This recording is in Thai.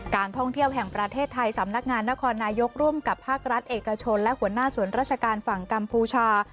การท่องเที่ยวแห่งประเทศไทยสำนักงานนครนายกร่วมกับภาครัฐเอกชนและหัวหน้าสวนราชการฝั่งกัมพูชา